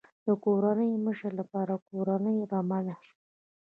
د کورنۍ مشر لپاره کورنۍ رمه ده.